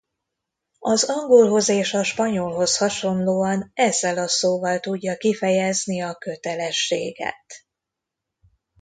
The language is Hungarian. Az angolhoz és a spanyolhoz hasonlóan ezzel a szóval tudja kifejezni a kötelességet.